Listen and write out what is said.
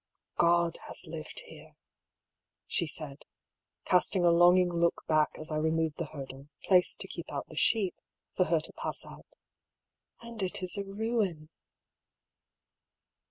^Ood has lived here/' she said, casting a longing look back as I removed the hurdle, placed to keep out the sheep, for her to pass out. ^^ And it is a ruin